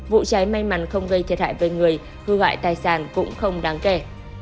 vụ cháy may mắn không gây thiệt hại với người hư gại tài sản cũng không đáng kể